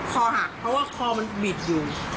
คอหักเพราะว่าคอมันบิดอยู่